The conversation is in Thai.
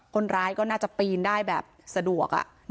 คนร้ายก็น่าจะปีนได้แบบสะดวก